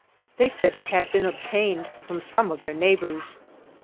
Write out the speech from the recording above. They said it had been obtained from some of their neighbors.